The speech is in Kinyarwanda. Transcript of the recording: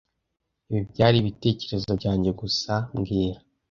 Ibi byari ibitekerezo byanjye gusa mbwira